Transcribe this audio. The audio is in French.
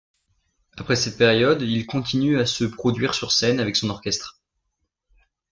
Après cette période, il continue à se produire sur scène avec son orchestre.